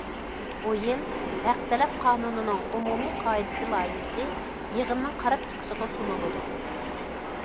بۇ يىل، ھەق تەلەپ قانۇنىنىڭ ئومۇمىي قائىدىسى لايىھەسى يىغىننىڭ قاراپ چىقىشىغا سۇنۇلىدۇ.